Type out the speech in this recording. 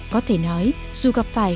có thể nói dù gặp phải